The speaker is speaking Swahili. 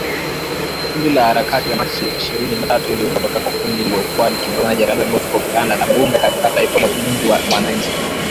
Kundi la Harakati za Machi ishirini na tatu liliundwa kutoka kwa kundi lililokuwa likiongozwa na Generali Bosco Ntaganda, la Bunge la Kitaifa la Ulinzi wa Wananchi